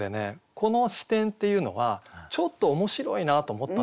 この視点っていうのはちょっと面白いなと思ったんですよ。